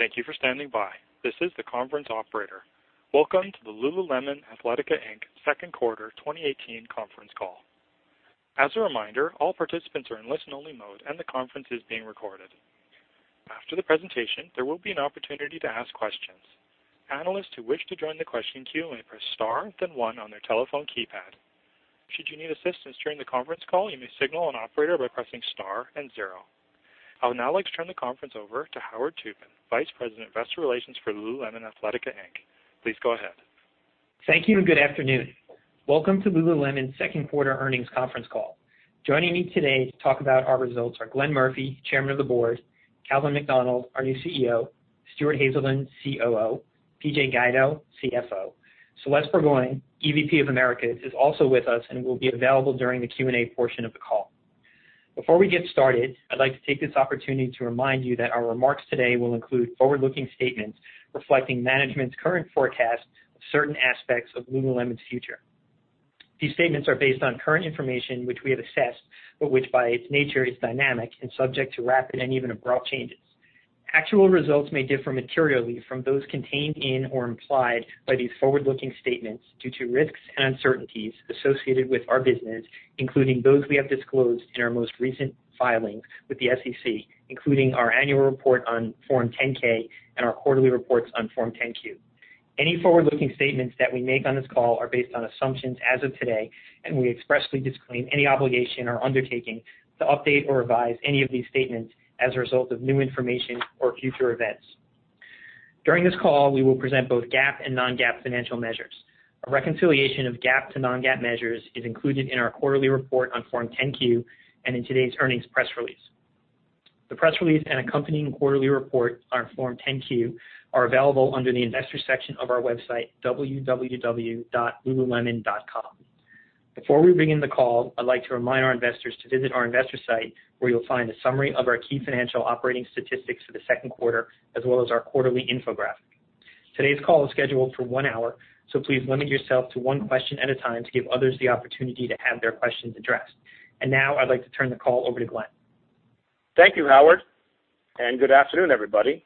Thank you for standing by. This is the conference operator. Welcome to the Lululemon Athletica Inc. Second quarter 2018 conference call. As a reminder, all participants are in listen only mode, and the conference is being recorded. After the presentation, there will be an opportunity to ask questions. Analysts who wish to join the question queue may press star then one on their telephone keypad. Should you need assistance during the conference call, you may signal an operator by pressing star and zero. I would now like to turn the conference over to Howard Tubin, Vice President, Investor Relations for Lululemon Athletica Inc. Please go ahead. Thank you and good afternoon. Welcome to Lululemon's second quarter earnings conference call. Joining me today to talk about our results are Glenn Murphy, Chairman of the Board, Calvin McDonald, our new CEO, Stuart Haselden, COO, PJ Guido, CFO. Celeste Burgoyne, EVP of Americas, is also with us and will be available during the Q&A portion of the call. Before we get started, I'd like to take this opportunity to remind you that our remarks today will include forward-looking statements reflecting management's current forecasts of certain aspects of Lululemon's future. These statements are based on current information which we have assessed, but which by its nature is dynamic and subject to rapid and even abrupt changes. Actual results may differ materially from those contained in or implied by these forward-looking statements due to risks and uncertainties associated with our business, including those we have disclosed in our most recent filings with the SEC, including our annual report on Form 10-K and our quarterly reports on Form 10-Q. Any forward-looking statements that we make on this call are based on assumptions as of today, and we expressly disclaim any obligation or undertaking to update or revise any of these statements as a result of new information or future events. During this call, we will present both GAAP and non-GAAP financial measures. A reconciliation of GAAP to non-GAAP measures is included in our quarterly report on Form 10-Q and in today's earnings press release. The press release and accompanying quarterly report on Form 10-Q are available under the Investors section of our website, www.lululemon.com. Before we begin the call, I'd like to remind our investors to visit our investor site, where you'll find a summary of our key financial operating statistics for the 2nd quarter, as well as our quarterly infographic. Today's call is scheduled for 1 hour, so please limit yourself to one question at a time to give others the opportunity to have their questions addressed. Now I'd like to turn the call over to Glenn. Thank you, Howard. Good afternoon, everybody.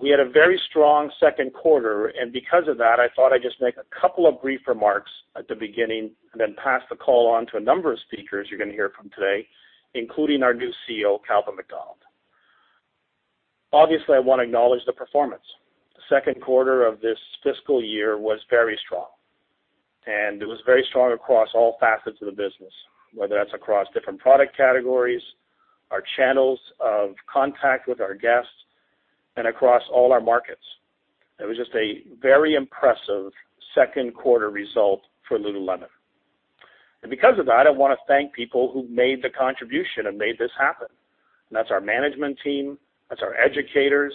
We had a very strong second quarter. Because of that, I thought I'd just make a couple of brief remarks at the beginning and then pass the call on to a number of speakers you're gonna hear from today, including our new CEO, Calvin McDonald. Obviously, I wanna acknowledge the performance. Second quarter of this fiscal year was very strong. It was very strong across all facets of the business, whether that's across different product categories, our channels of contact with our guests, and across all our markets. It was just a very impressive second quarter result for Lululemon. Because of that, I wanna thank people who made the contribution and made this happen. That's our management team, that's our educators,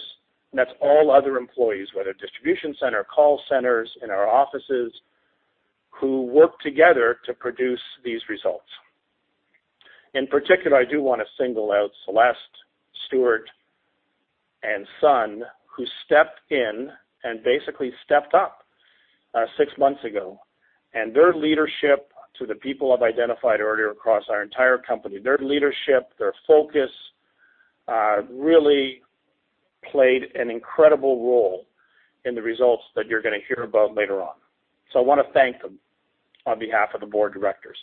and that's all other employees, whether distribution center, call centers, in our offices, who work together to produce these results. In particular, I do wanna single out Celeste, Stuart and Sun, who stepped in and basically stepped up 6 months ago. Their leadership to the people I've identified earlier across our entire company, their leadership, their focus, really played an incredible role in the results that you're gonna hear about later on. I wanna thank them on behalf of the Board of Directors.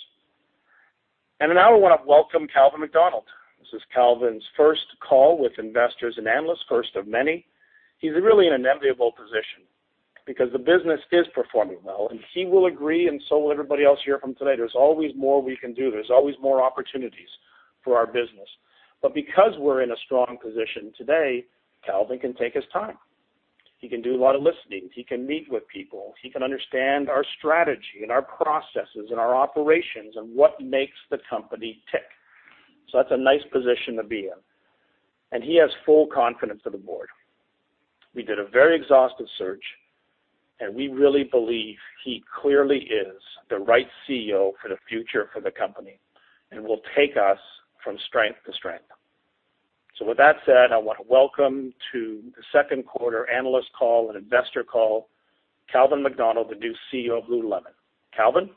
Now I wanna welcome Calvin McDonald. This is Calvin's first call with investors and analysts, first of many. He's really in an enviable position because the business is performing well, and he will agree and so will everybody else hear from today. There's always more we can do. There's always more opportunities for our business. Because we're in a strong position today, Calvin can take his time. He can do a lot of listening. He can meet with people. He can understand our strategy and our processes and our operations and what makes the company tick. That's a nice position to be in. He has full confidence of the board. We did a very exhaustive search, and we really believe he clearly is the right CEO for the future for the company and will take us from strength to strength. With that said, I want to welcome to the second quarter analyst call and investor call, Calvin McDonald, the new CEO of Lululemon. Calvin.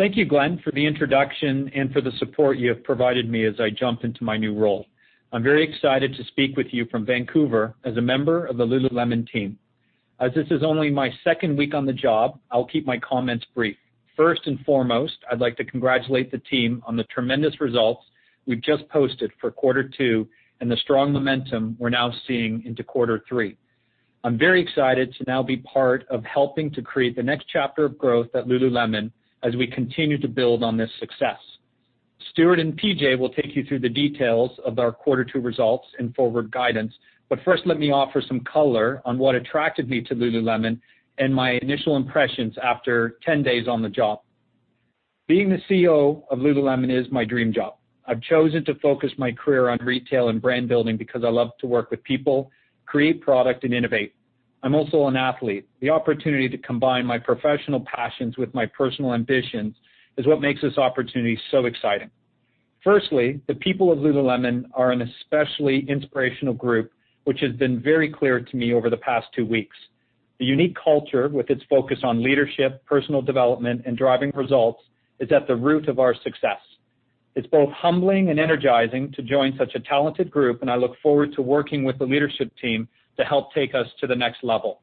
Thank you, Glenn, for the introduction and for the support you have provided me as I jump into my new role. I'm very excited to speak with you from Vancouver as a member of the Lululemon team. As this is only my second week on the job, I'll keep my comments brief. First and foremost, I'd like to congratulate the team on the tremendous results we've just posted for quarter two and the strong momentum we're now seeing into quarter three. I'm very excited to now be part of helping to create the next chapter of growth at Lululemon as we continue to build on this success. Stuart and PJ will take you through the details of our quarter two results and forward guidance, First, let me offer some color on what attracted me to Lululemon and my initial impressions after 10 days on the job. Being the CEO of Lululemon is my dream job. I've chosen to focus my career on retail and brand building because I love to work with people, create product, and innovate. I'm also an athlete. The opportunity to combine my professional passions with my personal ambitions is what makes this opportunity so exciting. Firstly, the people of Lululemon are an especially inspirational group, which has been very clear to me over the past two weeks. The unique culture with its focus on leadership, personal development, and driving results is at the root of our success. It's both humbling and energizing to join such a talented group, and I look forward to working with the leadership team to help take us to the next level.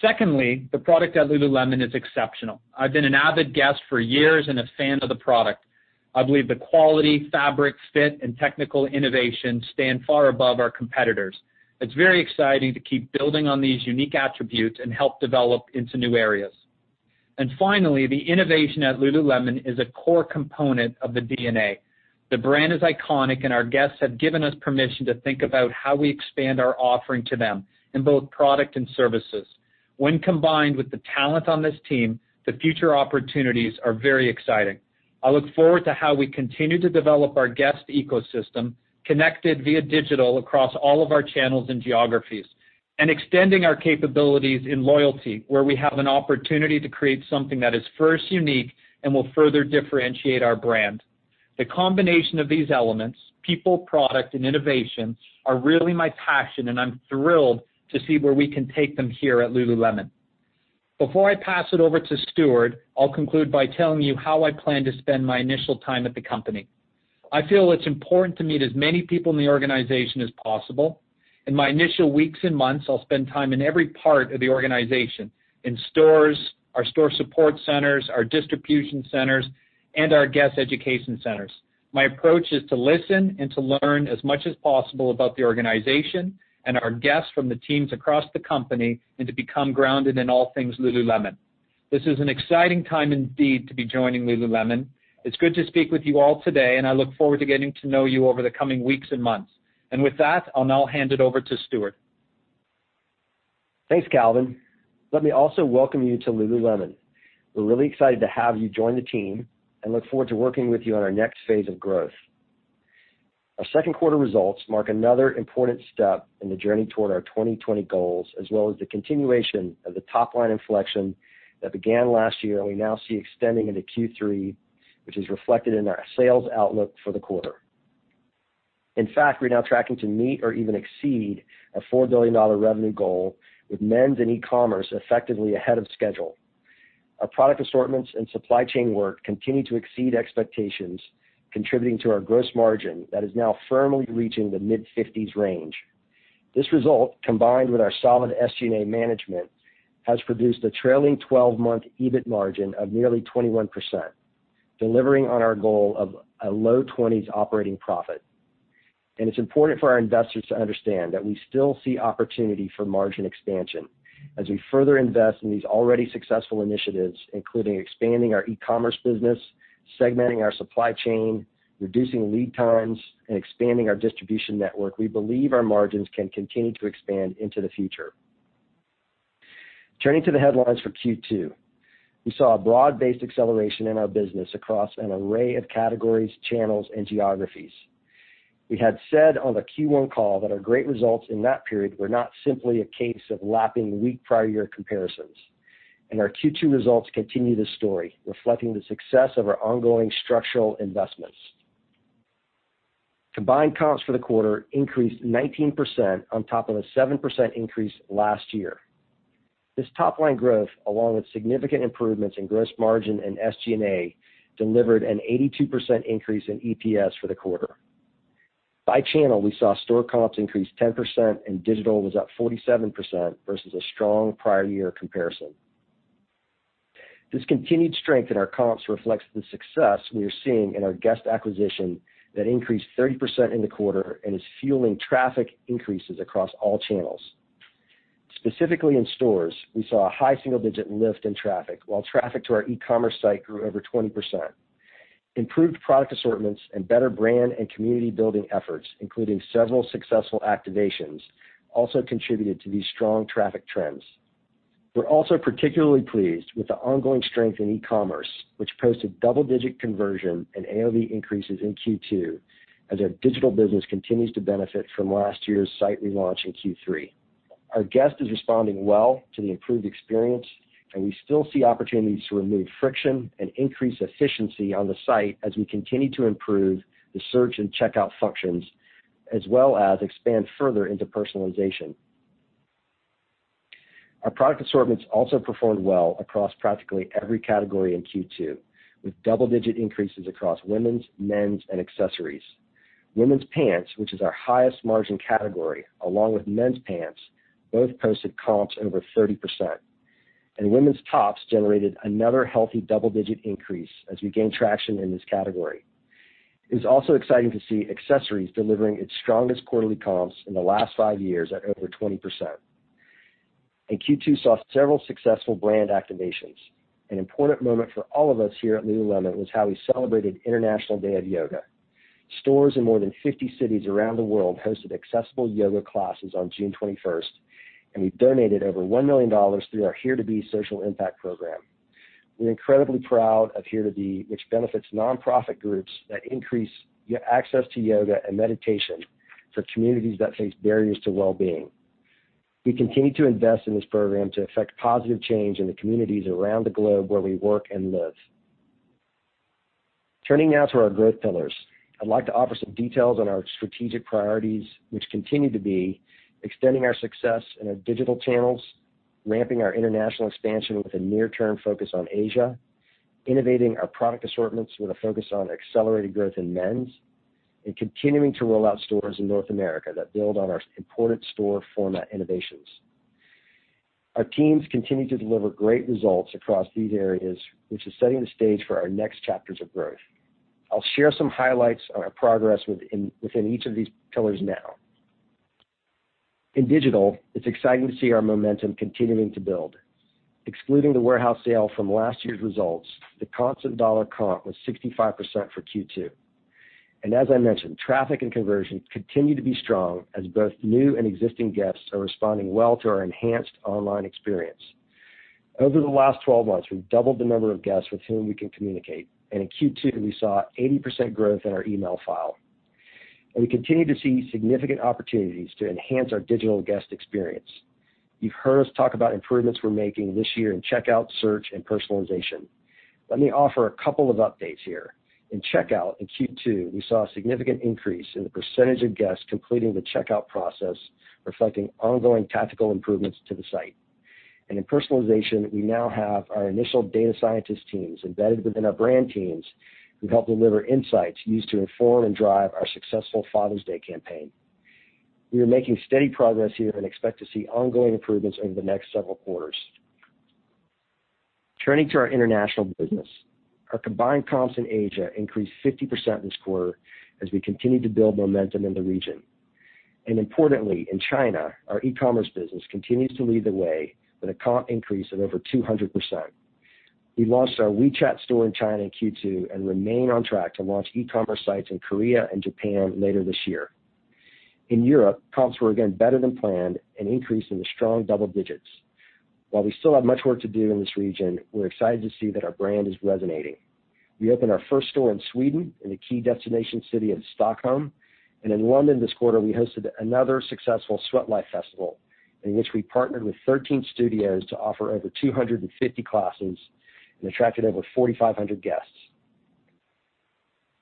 Secondly, the product at Lululemon is exceptional. I've been an avid guest for years and a fan of the product. I believe the quality, fabric, fit, and technical innovation stand far above our competitors. It's very exciting to keep building on these unique attributes and help develop into new areas. Finally, the innovation at Lululemon is a core component of the DNA. The brand is iconic, and our guests have given us permission to think about how we expand our offering to them in both product and services. When combined with the talent on this team, the future opportunities are very exciting. I look forward to how we continue to develop our guest ecosystem, connected via digital across all of our channels and geographies, and extending our capabilities in loyalty, where we have an opportunity to create something that is first unique and will further differentiate our brand. The combination of these elements, people, product, and innovation, are really my passion, and I'm thrilled to see where we can take them here at Lululemon. Before I pass it over to Stuart, I'll conclude by telling you how I plan to spend my initial time at the company. I feel it's important to meet as many people in the organization as possible. In my initial weeks and months, I'll spend time in every part of the organization, in stores, our store support centers, our distribution centers, and our guest education centers. My approach is to listen and to learn as much as possible about the organization and our guests from the teams across the company and to become grounded in all things Lululemon. This is an exciting time indeed to be joining Lululemon. It's good to speak with you all today, and I look forward to getting to know you over the coming weeks and months. With that, I'll now hand it over to Stuart. Thanks, Calvin. Let me also welcome you to Lululemon. We're really excited to have you join the team and look forward to working with you on our next phase of growth. Our second quarter results mark another important step in the journey toward our 2020 goals, as well as the continuation of the top-line inflection that began last year and we now see extending into Q3, which is reflected in our sales outlook for the quarter. We're now tracking to meet or even exceed a $4 billion revenue goal with men's and e-commerce effectively ahead of schedule. Our product assortments and supply chain work continue to exceed expectations, contributing to our gross margin that is now firmly reaching the mid-50s range. This result, combined with our solid SG&A management, has produced a trailing 12-month EBIT margin of nearly 21%, delivering on our goal of a low 20s operating profit. It's important for our investors to understand that we still see opportunity for margin expansion. As we further invest in these already successful initiatives, including expanding our e-commerce business, segmenting our supply chain, reducing lead times, and expanding our distribution network, we believe our margins can continue to expand into the future. Turning to the headlines for Q2. We saw a broad-based acceleration in our business across an array of categories, channels, and geographies. We had said on the Q1 call that our great results in that period were not simply a case of lapping weak prior year comparisons, and our Q2 results continue this story, reflecting the success of our ongoing structural investments. Combined comps for the quarter increased 19% on top of a 7% increase last year. This top-line growth, along with significant improvements in gross margin and SG&A, delivered an 82% increase in EPS for the quarter. By channel, we saw store comps increase 10% and digital was up 47% versus a strong prior year comparison. This continued strength in our comps reflects the success we are seeing in our guest acquisition that increased 30% in the quarter and is fueling traffic increases across all channels. Specifically in stores, we saw a high single-digit lift in traffic while traffic to our e-commerce site grew over 20%. Improved product assortments and better brand and community building efforts, including several successful activations, also contributed to these strong traffic trends. We're also particularly pleased with the ongoing strength in e-commerce, which posted double-digit conversion and AOV increases in Q2 as our digital business continues to benefit from last year's site relaunch in Q3. Our guest is responding well to include experience and we still see opportunities to remove friction and increase efficiency on the site as we continue to improve the search and checkout functions, as well as expand further into personalization. Our product assortments also performed well across practically every category in Q2, with double-digit increases across women's, men's, and accessories. Women's pants, which is our highest margin category, along with men's pants, both posted comps over 30%. Women's tops generated another healthy double-digit increase as we gain traction in this category. It's also exciting to see accessories delivering its strongest quarterly comps in the last five years at over 20%. Q2 saw several successful brand activations. An important moment for all of us here at Lululemon was how we celebrated International Day of Yoga. Stores in more than 50 cities around the world hosted accessible yoga classes on June 21st, and we donated over $1 million through our Here to Be social impact program. We're incredibly proud of Here to Be, which benefits nonprofit groups that increase access to yoga and meditation for communities that face barriers to well-being. We continue to invest in this program to affect positive change in the communities around the globe where we work and live. Turning now to our growth pillars. I'd like to offer some details on our strategic priorities, which continue to be extending our success in our digital channels, ramping our international expansion with a near-term focus on Asia, innovating our product assortments with a focus on accelerated growth in men's, and continuing to roll out stores in North America that build on our important store format innovations. Our teams continue to deliver great results across these areas, which is setting the stage for our next chapters of growth. I'll share some highlights on our progress within each of these pillars now. In digital, it's exciting to see our momentum continuing to build. Excluding the warehouse sale from last year's results, the constant dollar comp was 65% for Q2. As I mentioned, traffic and conversion continue to be strong as both new and existing guests are responding well to our enhanced online experience. Over the last 12 months, we've doubled the number of guests with whom we can communicate. In Q2, we saw 80% growth in our email file. We continue to see significant opportunities to enhance our digital guest experience. You've heard us talk about improvements we're making this year in checkout, search, and personalization. Let me offer a couple of updates here. In checkout, in Q2, we saw a significant increase in the percentage of guests completing the checkout process, reflecting ongoing tactical improvements to the site. In personalization, we now have our initial data scientist teams embedded within our brand teams who help deliver insights used to inform and drive our successful Father's Day campaign. We are making steady progress here and expect to see ongoing improvements over the next several quarters. Turning to our international business. Our combined comps in Asia increased 50% this quarter as we continue to build momentum in the region. Importantly, in China, our e-commerce business continues to lead the way with a comp increase of over 200%. We launched our WeChat store in China in Q2 and remain on track to launch e-commerce sites in Korea and Japan later this year. In Europe, comps were again better than planned and increased in the strong double digits. While we still have much work to do in this region, we're excited to see that our brand is resonating. We opened our first store in Sweden in a key destination city of Stockholm. In London this quarter, we hosted another successful Sweatlife Festival, in which we partnered with 13 studios to offer over 250 classes and attracted over 4,500 guests.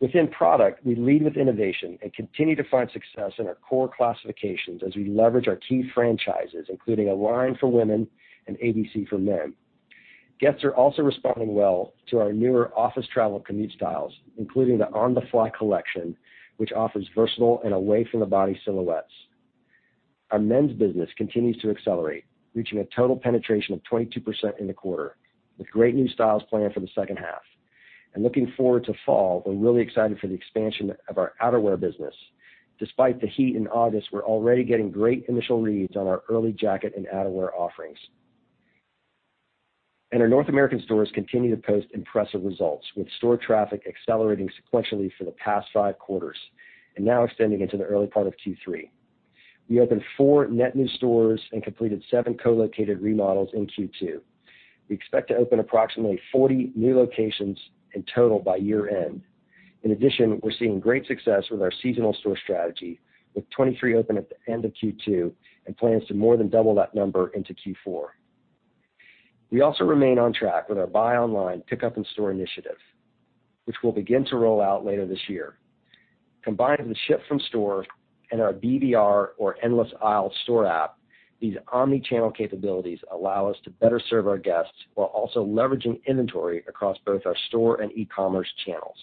Within product, we lead with innovation and continue to find success in our core classifications as we leverage our key franchises, including Align for women and ABC for men. Guests are also responding well to our newer office travel commute styles, including the On The Fly collection, which offers versatile and away-from-the-body silhouettes. Our men's business continues to accelerate, reaching a total penetration of 22% in the quarter, with great new styles planned for the second half. Looking forward to fall, we're really excited for the expansion of our outerwear business. Despite the heat in August, we're already getting great initial reads on our early jacket and outerwear offerings. Our North American stores continue to post impressive results, with store traffic accelerating sequentially for the past five quarters and now extending into the early part of Q3. We opened four net new stores and completed seven co-located remodels in Q2. We expect to open approximately 40 new locations in total by year-end. In addition, we're seeing great success with our seasonal store strategy, with 23 open at the end of Q2 and plans to more than double that number into Q4. We also remain on track with our buy online, pickup in store initiative, which will begin to roll out later this year. Combined with ship from store and our [BVR or endless aisle] store app, these omni-channel capabilities allow us to better serve our guests while also leveraging inventory across both our store and e-commerce channels.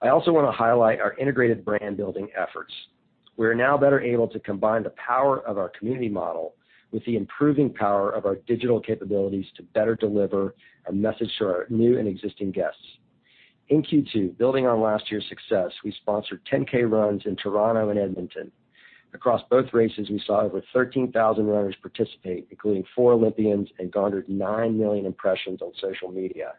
I also wanna highlight our integrated brand-building efforts. We are now better able to combine the power of our community model with the improving power of our digital capabilities to better deliver a message to our new and existing guests. In Q2, building on last year's success, we sponsored 10K runs in Toronto and Edmonton. Across both races, we saw over 13,000 runners participate, including four Olympians, and garnered 9 million impressions on social media.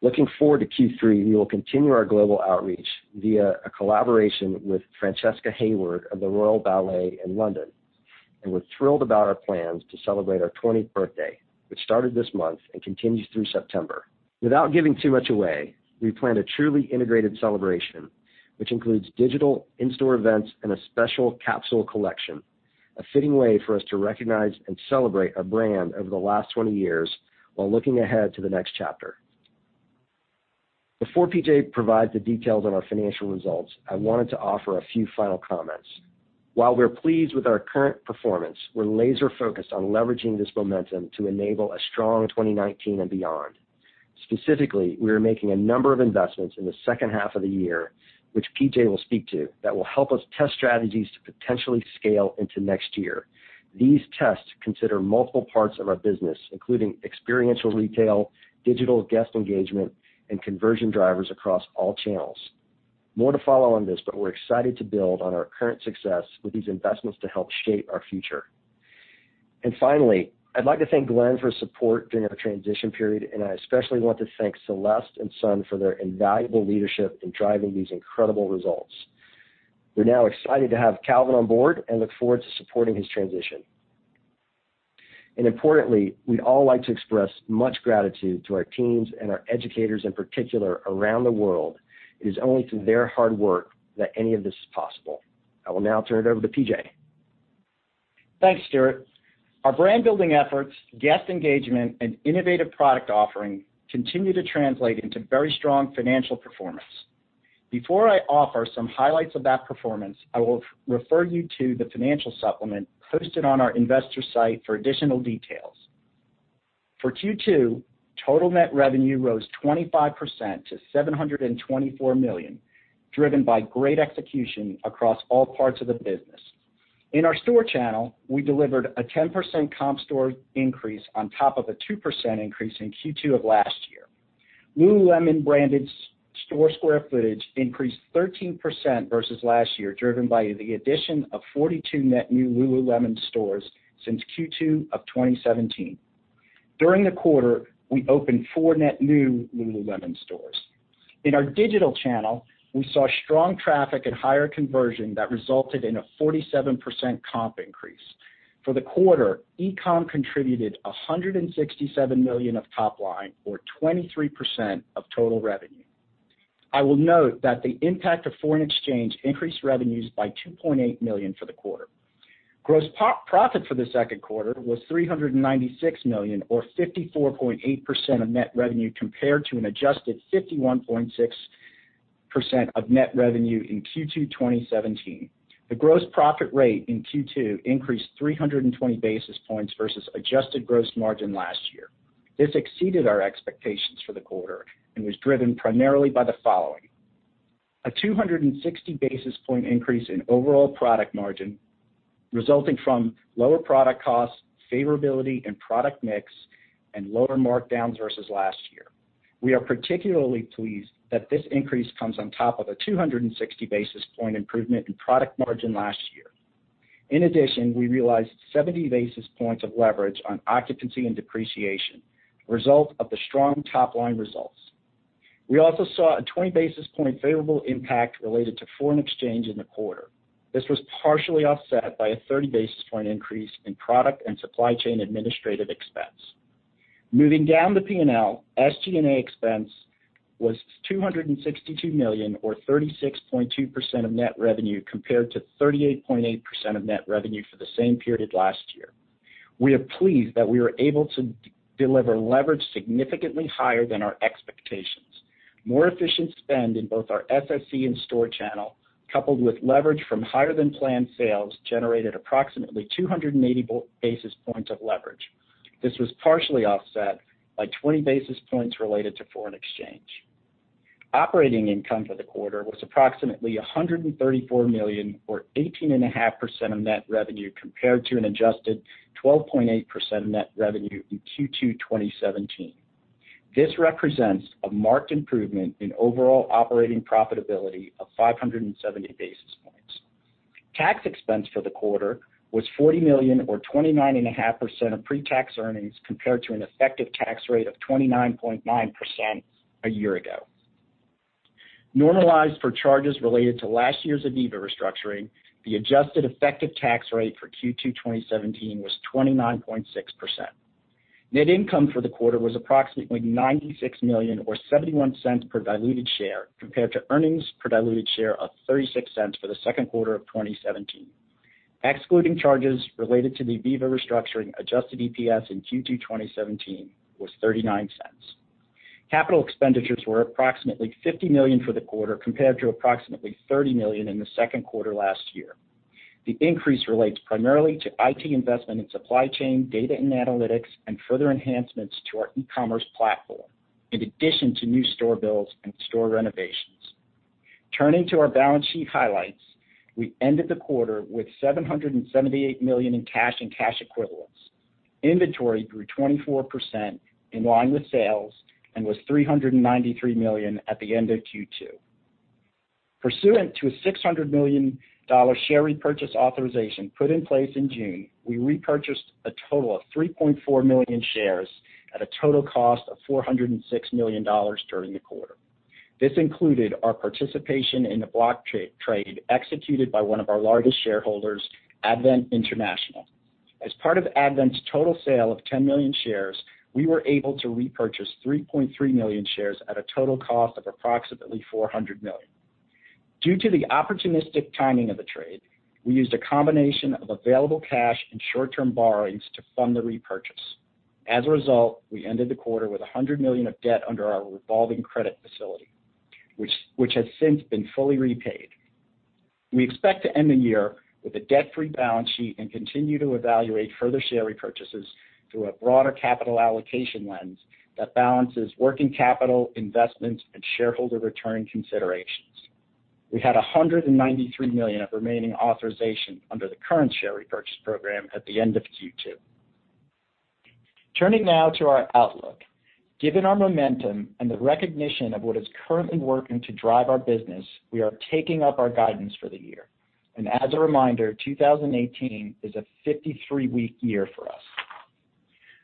Looking forward to Q3, we will continue our global outreach via a collaboration with Francesca Hayward of The Royal Ballet in London. We're thrilled about our plans to celebrate our 20th birthday, which started this month and continues through September. Without giving too much away, we plan a truly integrated celebration, which includes digital in-store events and a special capsule collection, a fitting way for us to recognize and celebrate our brand over the last 20 years while looking ahead to the next chapter. Before PJ provides the details on our financial results, I wanted to offer a few final comments. While we're pleased with our current performance, we're laser focused on leveraging this momentum to enable a strong 2019 and beyond. Specifically, we are making a number of investments in the second half of the year, which PJ will speak to, that will help us test strategies to potentially scale into next year. These tests consider multiple parts of our business, including experiential retail, digital guest engagement, and conversion drivers across all channels. More to follow on this, we're excited to build on our current success with these investments to help shape our future. Finally, I'd like to thank Glenn for his support during our transition period, I especially want to thank Celeste and Sun for their invaluable leadership in driving these incredible results. We're now excited to have Calvin on board and look forward to supporting his transition. Importantly, we'd all like to express much gratitude to our teams and our educators in particular around the world. It is only through their hard work that any of this is possible. I will now turn it over to PJ. Thanks, Stuart. Our brand building efforts, guest engagement, and innovative product offering continue to translate into very strong financial performance. Before I offer some highlights of that performance, I will refer you to the financial supplement posted on our investor site for additional details. For Q2, total net revenue rose 25% to $724 million, driven by great execution across all parts of the business. In our store channel, we delivered a 10% comp store increase on top of a 2% increase in Q2 of last year. Lululemon branded store square footage increased 13% versus last year, driven by the addition of 42 net new Lululemon stores since Q2 of 2017. During the quarter, we opened four net new Lululemon stores. In our digital channel, we saw strong traffic and higher conversion that resulted in a 47% comp increase. For the quarter, e-com contributed $167 million of top line or 23% of total revenue. I will note that the impact of foreign exchange increased revenues by $2.8 million for the quarter. Gross profit for the second quarter was $396 million or 54.8% of net revenue compared to an adjusted 51.6% of net revenue in Q2 2017. The gross profit rate in Q2 increased 320 basis points versus adjusted gross margin last year. This exceeded our expectations for the quarter and was driven primarily by the following: A 260 basis point increase in overall product margin resulting from lower product costs, favorability in product mix, and lower markdowns versus last year. We are particularly pleased that this increase comes on top of a 260 basis point improvement in product margin last year. In addition, we realized 70 basis points of leverage on occupancy and depreciation, a result of the strong top-line results. We also saw a 20 basis point favorable impact related to foreign exchange in the quarter. This was partially offset by a 30 basis point increase in product and supply chain administrative expense. Moving down the P&L, SG&A expense was $262 million or 36.2% of net revenue compared to 38.8% of net revenue for the same period last year. We are pleased that we were able to deliver leverage significantly higher than our expectations. More efficient spend in both our SSC and store channel, coupled with leverage from higher than planned sales, generated approximately 280 basis points of leverage. This was partially offset by 20 basis points related to foreign exchange. Operating income for the quarter was approximately $134 million, or 18.5% of net revenue compared to an adjusted 12.8% of net revenue in Q2 2017. This represents a marked improvement in overall operating profitability of 570 basis points. Tax expense for the quarter was $40 million or 29.5% of pre-tax earnings compared to an effective tax rate of 29.9% a year ago. Normalized for charges related to last year's ivivva restructuring, the adjusted effective tax rate for Q2 2017 was 29.6%. Net income for the quarter was approximately $96 million or $0.71 per diluted share compared to earnings per diluted share of $0.36 for the second quarter of 2017. Excluding charges related to the ivivva restructuring, adjusted EPS in Q2 2017 was $0.39. Capital expenditures were approximately $50 million for the quarter compared to approximately $30 million in the second quarter last year. The increase relates primarily to IT investment in supply chain, data and analytics, and further enhancements to our e-commerce platform, in addition to new store builds and store renovations. Turning to our balance sheet highlights, we ended the quarter with $778 million in cash and cash equivalents. Inventory grew 24% in line with sales and was $393 million at the end of Q2. Pursuant to a $600 million share repurchase authorization put in place in June, we repurchased a total of 3.4 million shares at a total cost of $406 million during the quarter. This included our participation in the block trade executed by one of our largest shareholders, Advent International. As part of Advent's total sale of 10 million shares, we were able to repurchase 3.3 million shares at a total cost of approximately $400 million. Due to the opportunistic timing of the trade, we used a combination of available cash and short-term borrowings to fund the repurchase. As a result, we ended the quarter with $100 million of debt under our revolving credit facility, which has since been fully repaid. We expect to end the year with a debt-free balance sheet and continue to evaluate further share repurchases through a broader capital allocation lens that balances working capital, investments, and shareholder return considerations. We had $193 million of remaining authorization under the current share repurchase program at the end of Q2. Turning now to our outlook. Given our momentum and the recognition of what is currently working to drive our business, we are taking up our guidance for the year. As a reminder, 2018 is a 53-week year for us.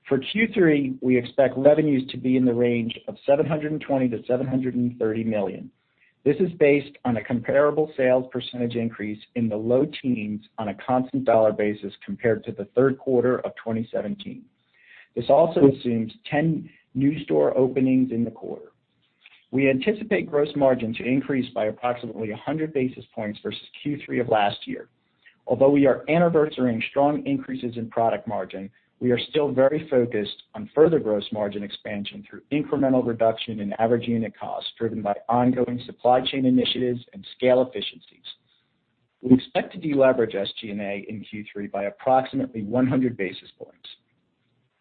For Q3, we expect revenues to be in the range of $720 million-$730 million. This is based on a comparable sales % increase in the low teens on a constant dollar basis compared to the third quarter of 2017. This also assumes 10 new store openings in the quarter. We anticipate gross margin to increase by approximately 100 basis points versus Q3 of last year. Although we are anniversarying strong increases in product margin, we are still very focused on further gross margin expansion through incremental reduction in average unit costs driven by ongoing supply chain initiatives and scale efficiencies. We expect to deleverage SG&A in Q3 by approximately 100 basis points.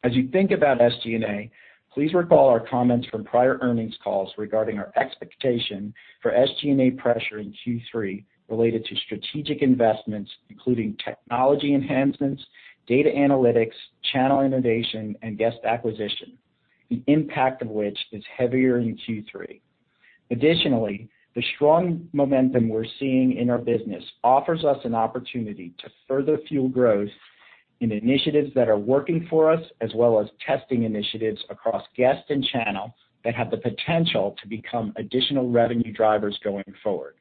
As you think about SG&A, please recall our comments from prior earnings calls regarding our expectation for SG&A pressure in Q3 related to strategic investments, including technology enhancements, data analytics, channel innovation, and guest acquisition, the impact of which is heavier in Q3. Additionally, the strong momentum we're seeing in our business offers us an opportunity to further fuel growth in initiatives that are working for us, as well as testing initiatives across guest and channel that have the potential to become additional revenue drivers going forward.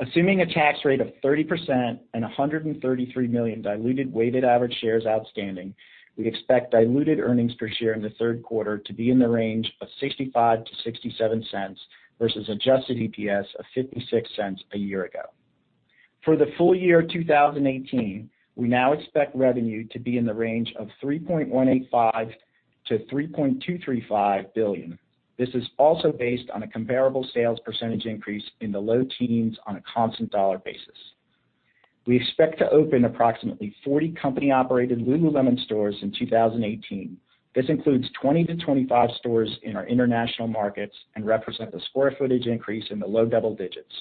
Assuming a tax rate of 30% and 133 million diluted weighted average shares outstanding, we expect diluted EPS in the third quarter to be in the range of $0.65-$0.67 versus adjusted EPS of $0.56 a year ago. For the full year 2018, we now expect revenue to be in the range of $3.185 billion-$3.235 billion. This is also based on a comparable sales % increase in the low teens on a constant dollar basis. We expect to open approximately 40 company-operated Lululemon stores in 2018. This includes 20-25 stores in our international markets and represent the square footage increase in the low double digits.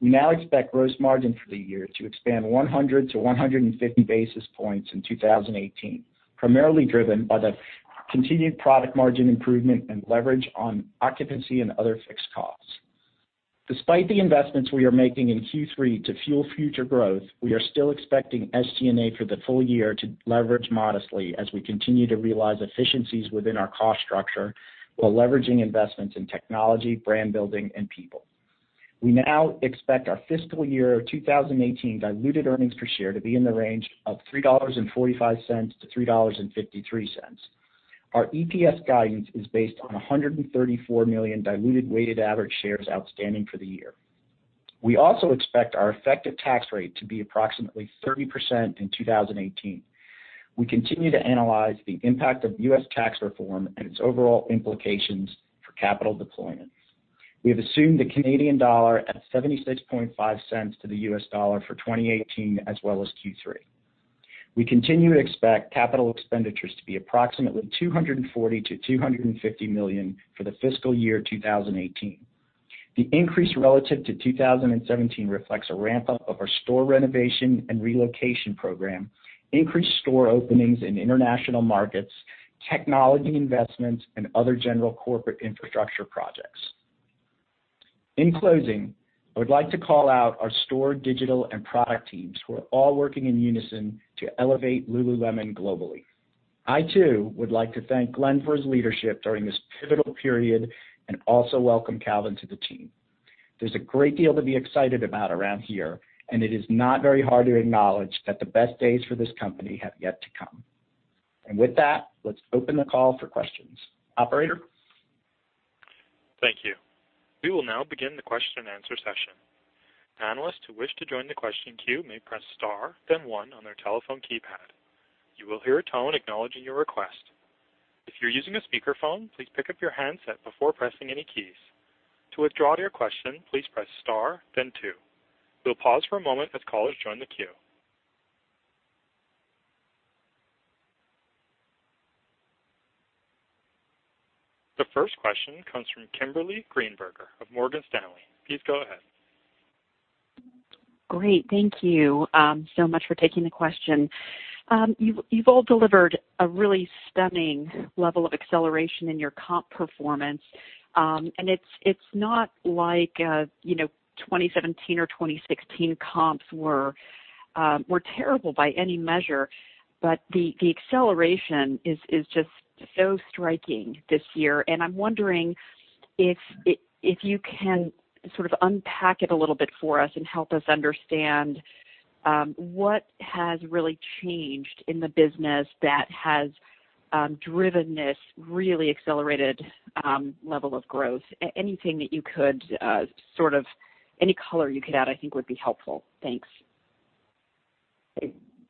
We now expect gross margin for the year to expand 100-150 basis points in 2018, primarily driven by the continued product margin improvement and leverage on occupancy and other fixed costs. Despite the investments we are making in Q3 to fuel future growth, we are still expecting SG&A for the full year to leverage modestly as we continue to realize efficiencies within our cost structure while leveraging investments in technology, brand building, and people. We now expect our fiscal year 2018 diluted earnings per share to be in the range of $3.45-$3.53. Our EPS guidance is based on 134 million diluted weighted average shares outstanding for the year. We also expect our effective tax rate to be approximately 30% in 2018. We continue to analyze the impact of US tax reform and its overall implications for capital deployment. We have assumed the Canadian dollar at $0.765 to the US dollar for 2018 as well as Q3. We continue to expect capital expenditures to be approximately $240 million-$250 million for the fiscal year 2018. The increase relative to 2017 reflects a ramp-up of our store renovation and relocation program, increased store openings in international markets, technology investments, and other general corporate infrastructure projects. In closing, I would like to call out our store digital and product teams who are all working in unison to elevate Lululemon globally. I too would like to thank Glenn for his leadership during this pivotal period and also welcome Calvin to the team. There's a great deal to be excited about around here, and it is not very hard to acknowledge that the best days for this company have yet to come. With that, let's open the call for questions. Operator? Thank you. We will now begin the question-and-answer session. Analysts who wish to join the question queue may press star then one on their telephone keypad. You will hear a tone acknowledging your request. If you are using a speaker phone please pick up your handset before pressing any keys. To withdraw your question, please press star then two. Will pause for a moment of call to join the queue. The first question comes from Kimberly Greenberger of Morgan Stanley. Please go ahead. Great. Thank you so much for taking the question. You've all delivered a really stunning level of acceleration in your comp performance. It's not like, you know, 2017 or 2016 comps were terrible by any measure. The acceleration is just so striking this year. I'm wondering if you can sort of unpack it a little bit for us and help us understand what has really changed in the business that has driven this really accelerated level of growth. Anything that you could sort of any color you could add, I think would be helpful. Thanks. Hey,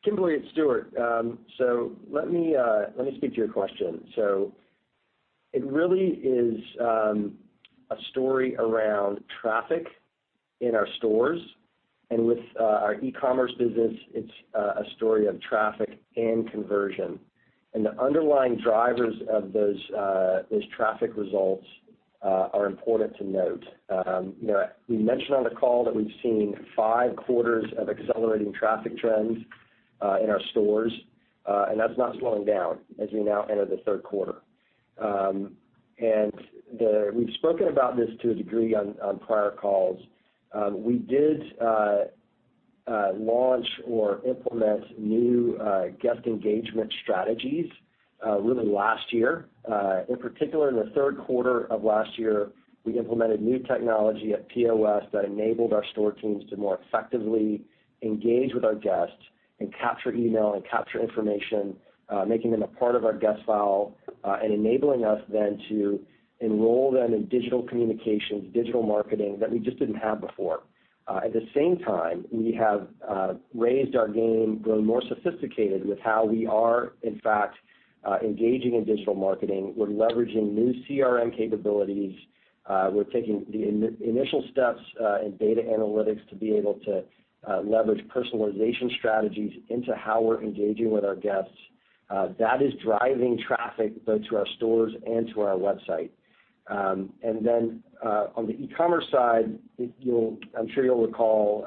Kimberly, it's Stuart. Let me speak to your question. It really is a story around traffic in our stores. With our e-commerce business, it's a story of traffic and conversion. The underlying drivers of those traffic results are important to note. You know, we mentioned on the call that we've seen 5 quarters of accelerating traffic trends in our stores, and that's not slowing down as we now enter the 3rd quarter. We've spoken about this to a degree on prior calls. We did launch or implement new guest engagement strategies really last year. In particular, in the third quarter of last year, we implemented new technology at POS that enabled our store teams to more effectively engage with our guests and capture email and capture information, making them a part of our guest file, and enabling us then to enroll them in digital communications, digital marketing that we just didn't have before. At the same time, we have raised our game, grown more sophisticated with how we are, in fact, engaging in digital marketing. We're leveraging new CRM capabilities. We're taking the initial steps in data analytics to be able to leverage personalization strategies into how we're engaging with our guests. That is driving traffic both to our stores and to our website. On the e-commerce side, I'm sure you'll recall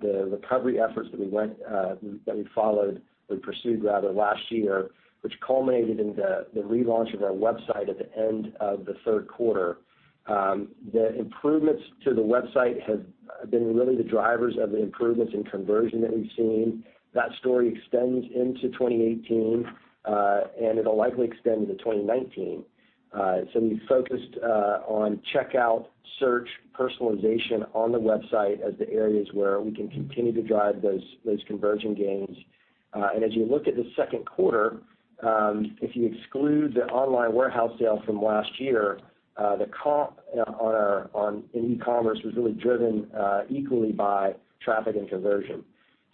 the recovery efforts that we went that we followed, we pursued rather last ywear, which culminated in the relaunch of our website at the end of the 3rd quarter. The improvements to the website have been really the drivers of the improvements in conversion that we've seen. That story extends into 2018, and it'll likely extend into 2019. We focused on checkout, search, personalization on the website as the areas where we can continue to drive those conversion gains. As you look at the second quarter, if you exclude the online warehouse sale from last year, the comp on our in e-commerce was really driven equally by traffic and conversion.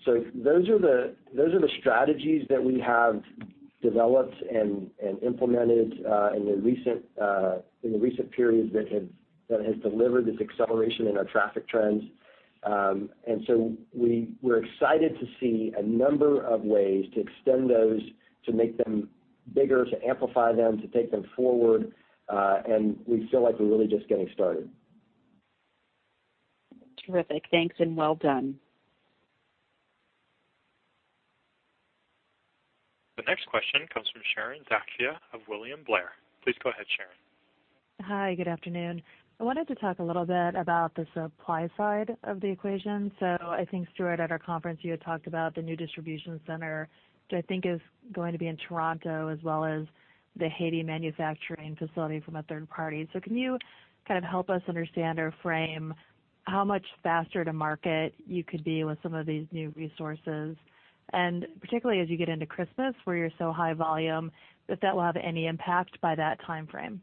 Those are the strategies that we have developed and implemented in the recent period that has delivered this acceleration in our traffic trends. We're excited to see a number of ways to extend those, to make them bigger, to amplify them, to take them forward, and we feel like we're really just getting started. Terrific. Thanks, and well done. The next question comes from Sharon Zackfia of William Blair. Please go ahead, Sharon. Hi, good afternoon. I wanted to talk a little bit about the supply side of the equation, I think, Stuart, at our conference, you had talked about the new distribution center, which I think is going to be in Toronto, as well as the Haiti manufacturing facility from a third party. Can you kind of help us understand or frame how much faster to market you could be with some of these new resources? Particularly as you get into Christmas, where you're so high volume, if that will have any impact by that timeframe.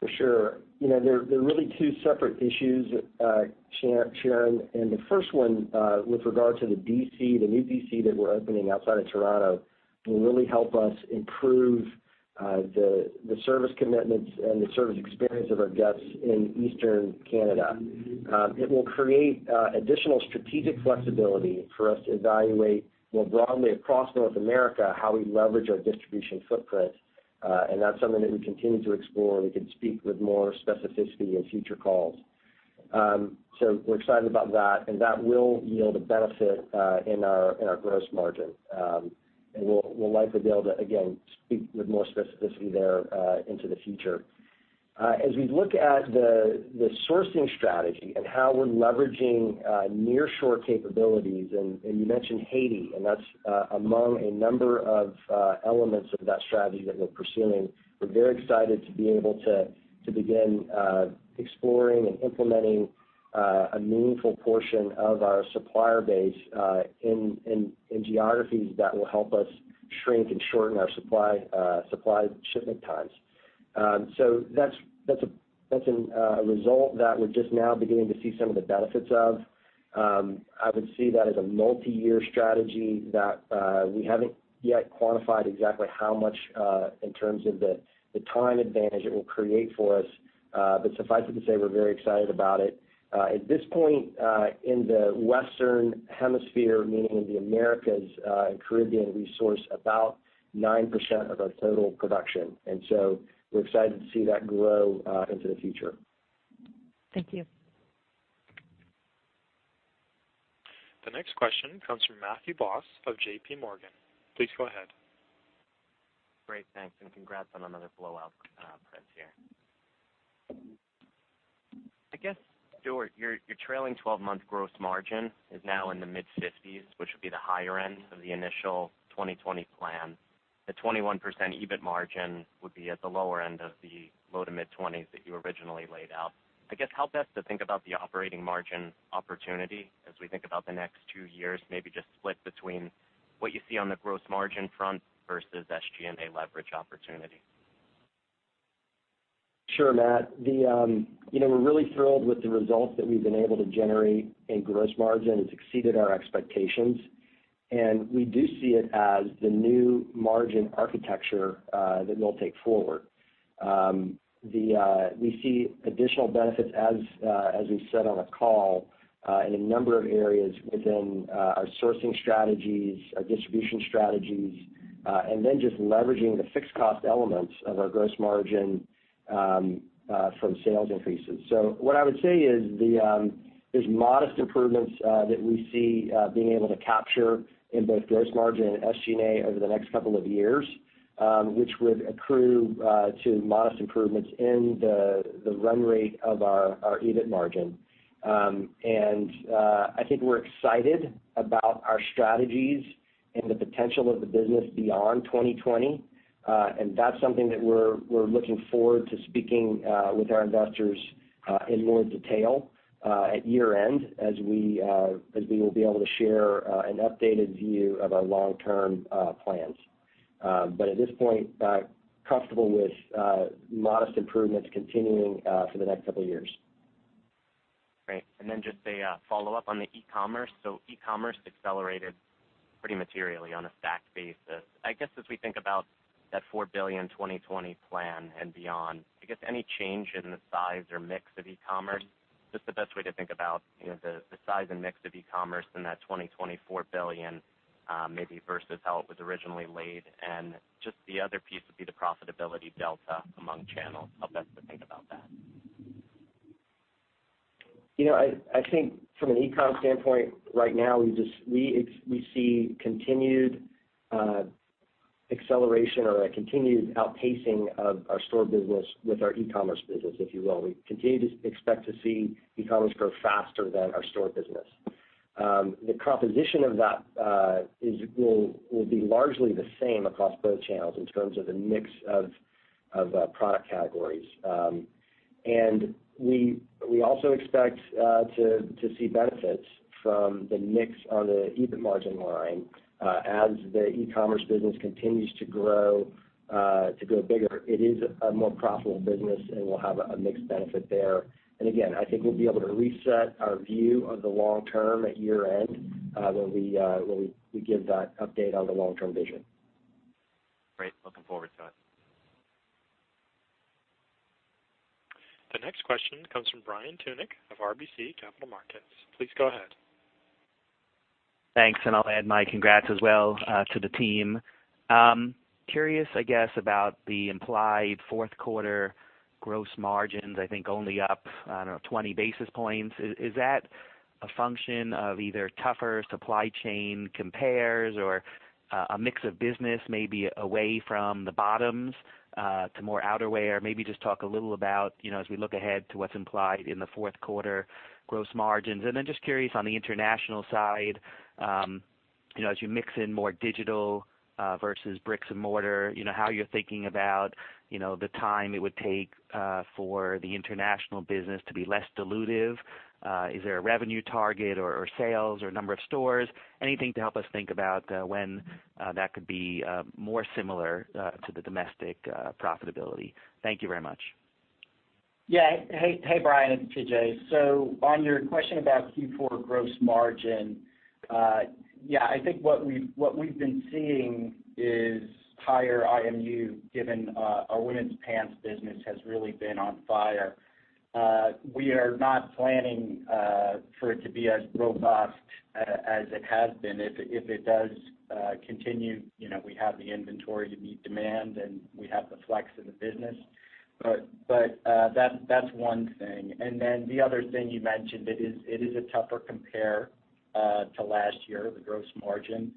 For sure. You know, there are really two separate issues, Sharon. The first one, with regard to the DC, the new DC that we're opening outside of Toronto, will really help us improve the service commitments and the service experience of our guests in Eastern Canada. It will create additional strategic flexibility for us to evaluate more broadly across North America how we leverage our distribution footprint. That's something that we continue to explore. We can speak with more specificity in future calls. We're excited about that will yield a benefit in our gross margin. We'll likely be able to, again, speak with more specificity there into the future. As we look at the sourcing strategy and how we're leveraging nearshore capabilities, and you mentioned Haiti, and that's among a number of elements of that strategy that we're pursuing. We're very excited to be able to begin exploring and implementing a meaningful portion of our supplier base in geographies that will help us shrink and shorten our supply shipment times. That's a result that we're just now beginning to see some of the benefits of. I would see that as a multiyear strategy that we haven't yet quantified exactly how much in terms of the time advantage it will create for us. Suffice it to say, we're very excited about it. At this point, in the Western Hemisphere, meaning in the Americas, and Caribbean, we source about 9% of our total production. We're excited to see that grow into the future. Thank you. The next question comes from Matthew Boss of JPMorgan. Please go ahead. Great. Thanks, congrats on another blowout print here. I guess, Stuart, your trailing 12-month gross margin is now in the mid-50s, which would be the higher end of the initial 2020 plan. The 21% EBIT margin would be at the lower end of the low to mid-20s that you originally laid out. I guess, help us to think about the operating margin opportunity as we think about the next 2 years, maybe just split between what you see on the gross margin front versus SG&A leverage opportunity. Sure, Matt. The, you know, we're really thrilled with the results that we've been able to generate in gross margin. It's exceeded our expectations. We do see it as the new margin architecture that we'll take forward. The, we see additional benefits as we've said on a call in a number of areas within our sourcing strategies, our distribution strategies, and then just leveraging the fixed cost elements of our gross margin from sales increases. What I would say is the, there's modest improvements that we see being able to capture in both gross margin and SG&A over the next couple of years, which would accrue to modest improvements in the run rate of our EBIT margin. I think we're excited about our strategies and the potential of the business beyond 2020. That's something that we're looking forward to speaking with our investors in more detail at year-end as we will be able to share an updated view of our long-term plans. At this point, comfortable with modest improvements continuing for the next 2 years. Great. Just a follow-up on the e-commerce. e-commerce accelerated pretty materially on a stack basis. As we think about that $4 billion 2020 plan and beyond, any change in the size or mix of e-commerce? The best way to think about, you know, the size and mix of e-commerce in that 2020 $4 billion maybe versus how it was originally laid. The other piece would be the profitability delta among channels. How best to think about that? You know, I think from an e-com standpoint right now, we see continued acceleration or a continued outpacing of our store business with our e-commerce business, if you will. We continue to expect to see e-commerce grow faster than our store business. The composition of that will be largely the same across both channels in terms of the mix of product categories. We also expect to see benefits from the mix on the EBIT margin line as the e-commerce business continues to grow bigger. It is a more profitable business, and we'll have a mixed benefit there. Again, I think we'll be able to reset our view of the long term at year-end when we give that update on the long-term vision. Great. Looking forward to it. The next question comes from Brian Tunick of RBC Capital Markets. Please go ahead. Thanks, I'll add my congrats as well to the team. Curious, I guess, about the implied fourth quarter gross margins, I think only up, I don't know, 20 basis points. Is that a function of either tougher supply chain compares or a mix of business maybe away from the bottoms to more outerwear? Maybe just talk a little about, you know, as we look ahead to what's implied in the fourth quarter gross margins. Just curious on the international side, you know, as you mix in more digital versus bricks and mortar, you know, how you're thinking about, you know, the time it would take for the international business to be less dilutive. Is there a revenue target or sales or number of stores? Anything to help us think about when that could be more similar to the domestic profitability. Thank you very much. Yeah. Hey, Brian Tunick. It's PJ. On your question about Q4 gross margin, I think what we've been seeing is higher IMU, given our women's pants business has really been on fire. We are not planning for it to be as robust as it has been. If it does continue, you know, we have the inventory to meet demand, and we have the flex in the business. That's one thing. The other thing you mentioned, it is a tougher compare to last year, the gross margin.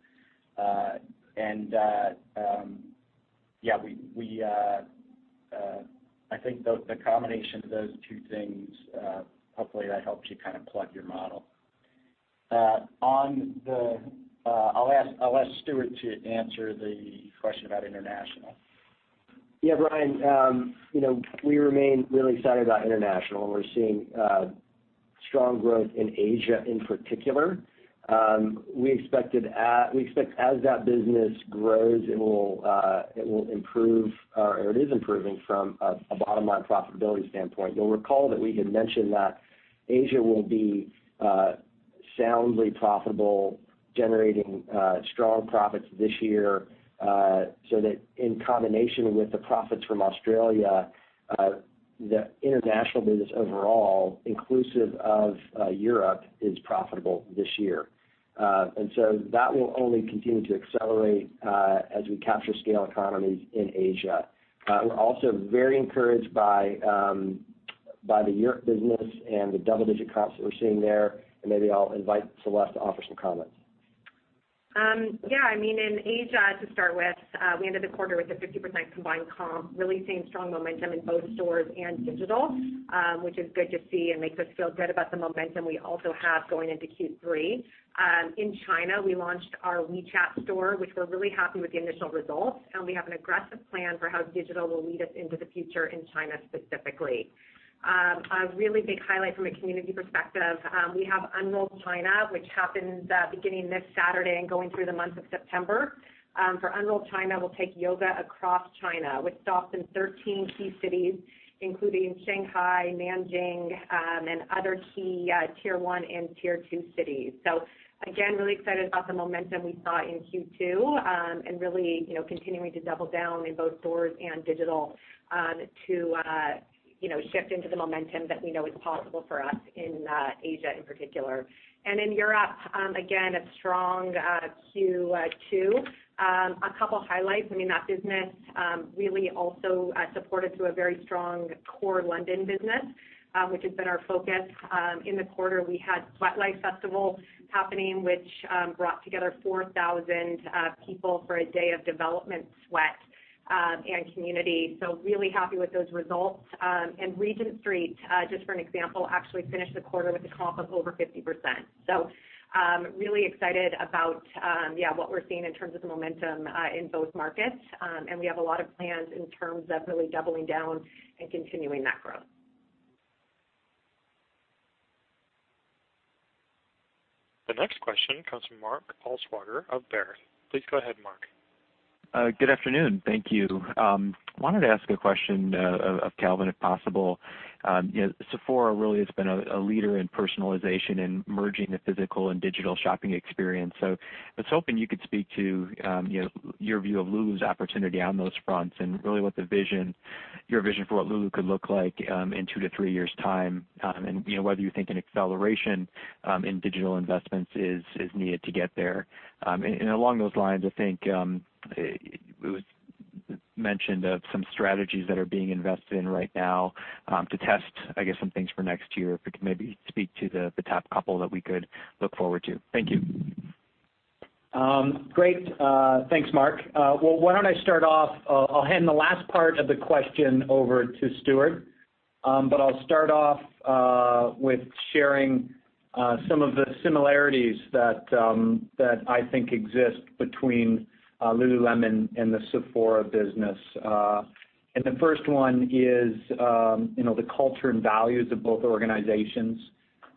I think the combination of those two things, hopefully that helps you kind of plug your model. On the, I'll ask Stuart Haselden to answer the question about international. Yeah, Brian. You know, we remain really excited about international, and we're seeing strong growth in Asia in particular. We expect as that business grows, it will improve, or it is improving from a bottom-line profitability standpoint. You'll recall that we had mentioned that Asia will be soundly profitable, generating strong profits this year, so that in combination with the profits from Australia, the international business overall, inclusive of Europe, is profitable this year. That will only continue to accelerate as we capture scale economies in Asia. We're also very encouraged by the Europe business and the double-digit comps that we're seeing there, and maybe I'll invite Celeste to offer some comments. In Asia to start with, we ended the quarter with a 50% combined comp, really seeing strong momentum in both stores and digital, which is good to see and makes us feel good about the momentum we also have going into Q3. In China, we launched our WeChat store, which we're really happy with the initial results, and we have an aggressive plan for how digital will lead us into the future in China specifically. A really big highlight from a community perspective, we have Unroll China, which happens beginning this Saturday and going through the month of September. For Unroll China, we'll take yoga across China with stops in 13 key cities, including Shanghai, Nanjing, and other key tier 1 and tier 2 cities. Again, really excited about the momentum we saw in Q2, and really continuing to double down in both stores and digital to shift into the momentum that we know is possible for us in Asia in particular. In Europe, again, a strong Q2. A couple highlights. I mean, that business really also supported through a very strong core London business, which has been our focus. In the quarter, we had Sweatlife Festival happening, which brought together 4,000 people for a day of development sweat and community. Really happy with those results. Regent Street, just for an example, actually finished the quarter with a comp of over 50%. Really excited about, yeah, what we're seeing in terms of the momentum, in both markets. We have a lot of plans in terms of really doubling down and continuing that growth. The next question comes from Mark Altschwager of Baird. Please go ahead, Mark. Good afternoon. Thank you. Wanted to ask a question of Calvin McDonald, if possible. You know, Sephora really has been a leader in personalization and merging the physical and digital shopping experience. I was hoping you could speak to, you know, your view of Lululemon's opportunity on those fronts and really what your vision for what Lululemon could look like in 2 to 3 years' time. You know, whether you think an acceleration in digital investments is needed to get there. Along those lines, I think it was mentioned of some strategies that are being invested in right now to test, I guess, some things for next year. If you could maybe speak to the top couple that we could look forward to. Thank you. Great. Thanks, Mark. Well, why don't I start off. I'll hand the last part of the question over to Stuart. I'll start off with sharing some of the similarities that I think exist between Lululemon and the Sephora business. The first one is, you know, the culture and values of both organizations.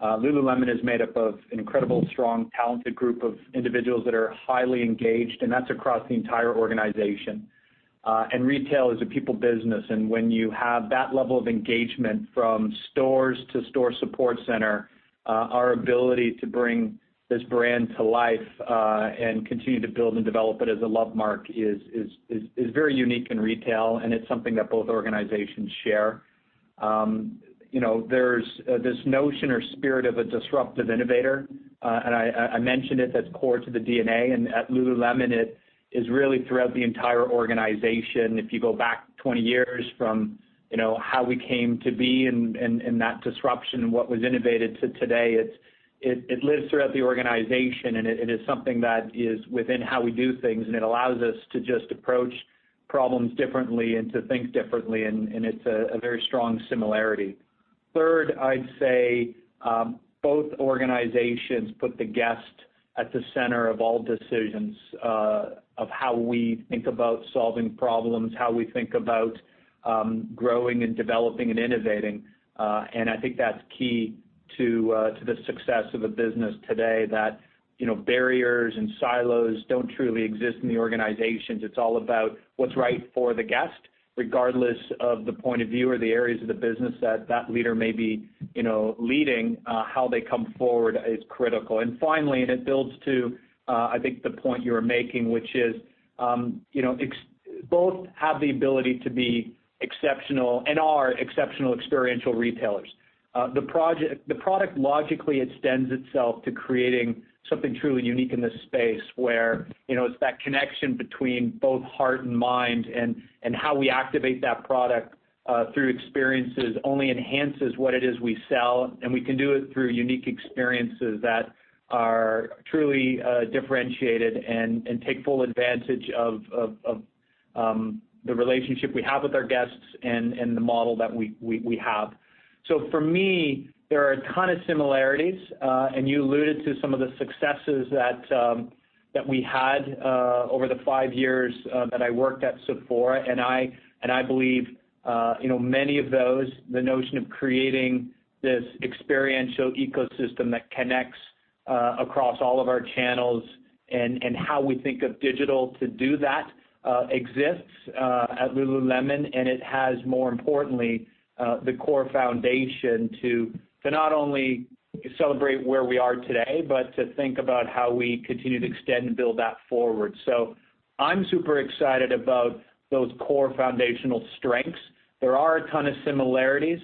Lululemon is made up of an incredible, strong, talented group of individuals that are highly engaged, and that's across the entire organization. Retail is a people business, and when you have that level of engagement from stores to store support center, our ability to bring this brand to life and continue to build and develop it as a lovemark is very unique in retail, and it's something that both organizations share. You know, there's this notion or spirit of a disruptive innovator, that's core to the DNA. At Lululemon, it is really throughout the entire organization. If you go back 20 years from, you know, how we came to be and that disruption and what was innovated to today, it lives throughout the organization. It is something that is within how we do things. It allows us to just approach problems differently and to think differently. It's a very strong similarity. Third, I'd say, both organizations put the guest at the center of all decisions, of how we think about solving problems, how we think about growing and developing and innovating. I think that's key to the success of a business today that, you know, barriers and silos don't truly exist in the organizations. It's all about what's right for the guest, regardless of the point of view or the areas of the business that that leader may be, you know, leading, how they come forward is critical. Finally, and it builds to, I think the point you were making, which is, you know, both have the ability to be exceptional and are exceptional experiential retailers. The product logically extends itself to creating something truly unique in this space where, you know, it's that connection between both heart and mind and how we activate that product through experiences only enhances what it is we sell, and we can do it through unique experiences that are truly differentiated and take full advantage of the relationship we have with our guests and the model that we have. For me, there are a ton of similarities. You alluded to some of the successes that we had over the five years that I worked at Sephora. I believe, you know, many of those, the notion of creating this experiential ecosystem that connects across all of our channels and how we think of digital to do that, exists at Lululemon. It has, more importantly, the core foundation to not only celebrate where we are today, but to think about how we continue to extend and build that forward. I'm super excited about those core foundational strengths. There are a ton of similarities,